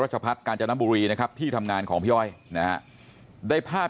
รัชพัฒน์การจัดน้ำบุรีนะครับที่ทำงานของพี่อ้อยได้ภาพ